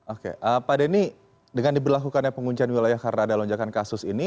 oke pak denny dengan diberlakukannya penguncian wilayah karena ada lonjakan kasus ini